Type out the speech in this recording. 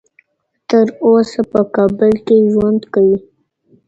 تر اوسه په کابل کې ژوند کوي.